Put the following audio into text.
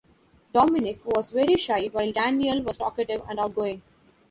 Dominique was very shy while Danielle was talkative and outgoing.